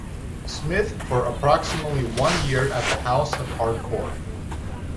Smith for approximately one year at the House of Hardcore.